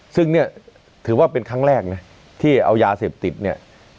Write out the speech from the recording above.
ซึ่งเนี่ยถือว่าเป็นครั้งแรกนะที่เอายาเสพติดเนี่ย